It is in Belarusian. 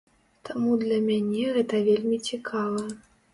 Таму для мяне гэта вельмі цікава.